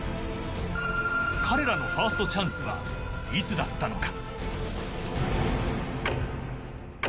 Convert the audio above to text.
彼らのファーストチャンスはいつだったのか。